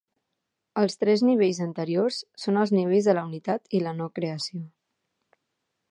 Els tres nivells anteriors són els nivells de la unitat i la no creació.